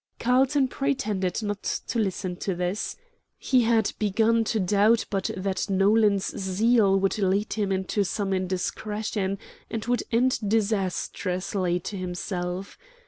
Carlton pretended not to listen to this. He had begun to doubt but that Nolan's zeal would lead him into some indiscretion, and would end disastrously to himself.